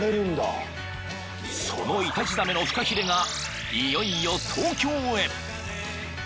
［そのイタチザメのフカヒレがいよいよ東京へ］